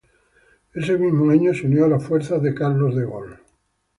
Ese mismo año se unió a las fuerzas de Charles de Gaulle.